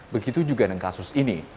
begitu juga dengan kasus ini